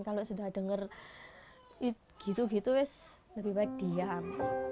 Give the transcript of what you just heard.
kalau sudah dengar gitu gitu lebih baik diam